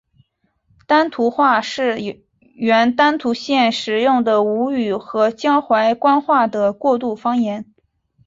丹徒话是原丹徒县使用的吴语和江淮官话的过渡方言。